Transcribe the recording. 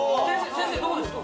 先生どうですか？